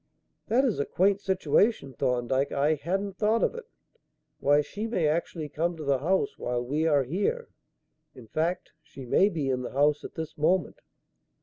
"That is a quaint situation, Thorndyke. I hadn't thought of it. Why she may actually come to the house while we are here; in fact, she may be in the house at this moment."